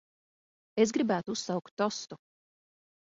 Es gribētu uzsaukt tostu.